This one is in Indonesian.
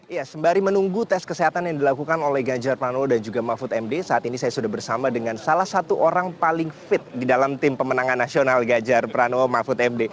ya sembari menunggu tes kesehatan yang dilakukan oleh ganjar pranowo dan juga mahfud md saat ini saya sudah bersama dengan salah satu orang paling fit di dalam tim pemenangan nasional ganjar pranowo mahfud md